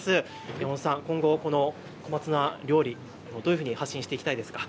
山本さん、今後この小松菜料理、どういうふうに発信していきたいですか。